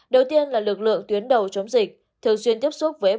đầu tiên là lực lượng tuyến đầu chống dịch thường xuyên tiếp xúc với ổ